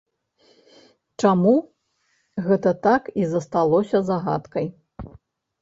Чаму, гэта так і засталося загадкай.